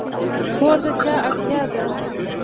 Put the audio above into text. کور د چا اړتیا ده؟